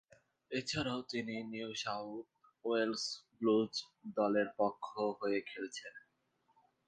এছাড়াও তিনি New South Wales Blues দলের পক্ষ হয়ে খেলেছেন।